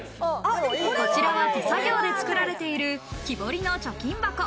こちらは手作業で作られている木彫りの貯金箱。